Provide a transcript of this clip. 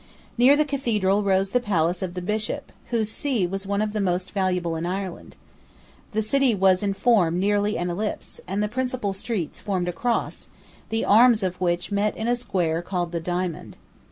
Near the Cathedral rose the palace of the Bishop, whose see was one of the most valuable in Ireland. The city was in form nearly an ellipse; and the principal streets formed a cross, the arms of which met in a square called the Diamond.